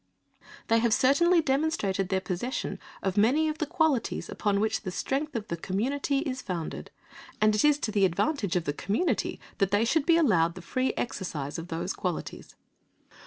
They have certainly demonstrated their possession of many of the qualities upon which the strength of the community is founded, and it is to the advantage of the community that they should be allowed the free exercise of those qualities.